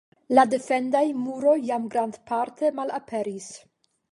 La defendaj muroj jam grandparte malaperis.